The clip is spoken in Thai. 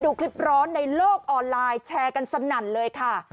ดูคลิปร้อนในโลกออนไลน์แชร์กันสนั่นเลยค่ะ